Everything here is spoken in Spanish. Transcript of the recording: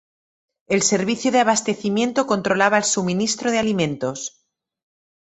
El servicio de Abastecimiento controlaba el suministro de alimentos.